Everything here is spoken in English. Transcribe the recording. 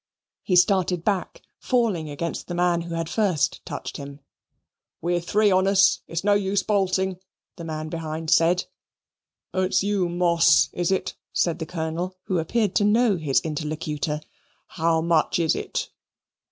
He started back, falling against the man who had first touched him. "We're three on us it's no use bolting," the man behind said. "It's you, Moss, is it?" said the Colonel, who appeared to know his interlocutor. "How much is it?"